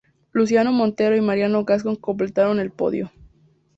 Luciano Montero y Mariano Gascón completaron el podio.